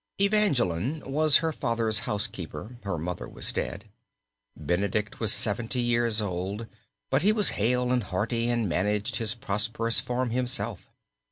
Evangeline was her father's housekeeper; her mother was dead. Benedict was seventy years old, but he was hale and hearty and managed his prosperous farm himself.